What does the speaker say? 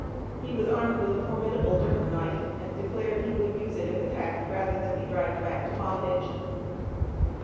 He was armed with a formidable dirk knife, and declared he would use it if attacked, rather than be dragged back to bondage.